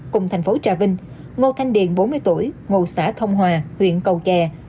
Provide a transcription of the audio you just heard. cùng thành phố trà vinh ngô thanh điền bốn mươi tuổi ngộ xã thông hòa huyện cầu chè